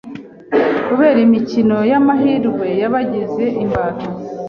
kubera imikino y’amahirwe yabagize imbata.